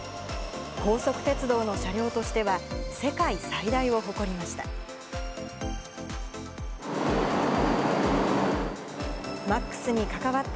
高速鉄道の車両としては世界最大を誇りました。